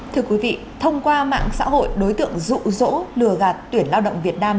thưa quý vị thông qua mạng xã hội đối tượng rụ rỗ lừa gạt tuyển lao động việt nam